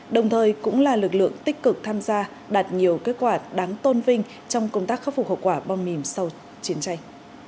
đồng thời cũng là lực lượng tích cực tham gia đạt nhiều kết quả đáng tôn vinh trong công tác khắc phục hậu quả bom mìn sau chiến tranh